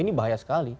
ini bahaya sekali